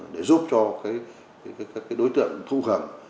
để giúp cho các đối tượng thu hầm